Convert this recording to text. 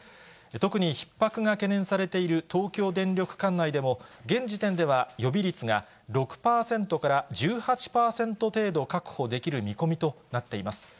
特にひっ迫が懸念されている東京電力管内でも、現時点では予備率が６％から１８％程度確保できる見込みとなっています。